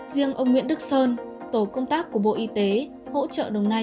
riêng ông nguyễn đức sơn tổ công tác của bộ y tế hỗ trợ đồng nai